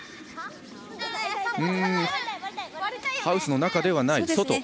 ハウスの中ではない、外。